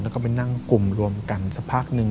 แล้วก็ไปนั่งกลุ่มรวมกันสักพักหนึ่ง